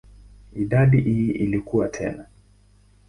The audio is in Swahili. Idadi hii ilikua tena.